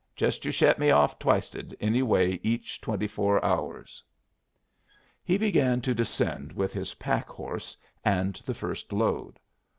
Just you shet me off twiced anyway each twenty four hours." He began to descend with his pack horse and the first load.